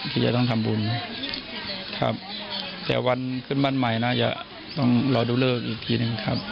ที่จะต้องทำบุญครับแต่วันขึ้นบ้านใหม่น่าจะต้องรอดูเลิกอีกทีหนึ่งครับ